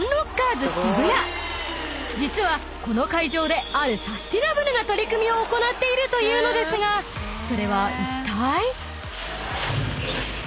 ［実はこの会場であるサスティナブルな取り組みを行っているというのですがそれはいったい？］